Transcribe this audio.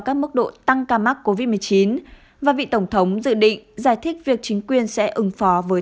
các mức độ tăng ca mắc covid một mươi chín và vị tổng thống dự định giải thích việc chính quyền sẽ ứng phó với